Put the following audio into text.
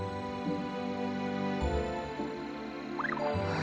あ。